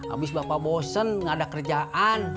abis bapak bosen gak ada kerjaan